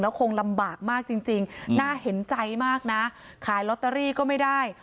คงลำบากมากจริงน่าเห็นใจมากนะขายลอตเตอรี่ก็ไม่ได้